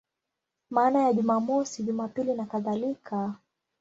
Maana ya Jumamosi, Jumapili nakadhalika.